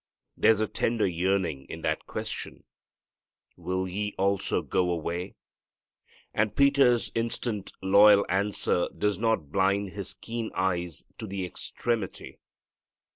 There's a tender yearning in that question, "Will ye also go away?" And Peter's instant, loyal answer does not blind His keen eyes to the extremity.